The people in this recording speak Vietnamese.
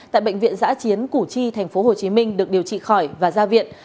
tại bệnh viện giã chiến củ chi tp hcm được điều trị khỏi và ra viện